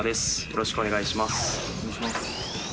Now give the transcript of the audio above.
よろしくお願いします。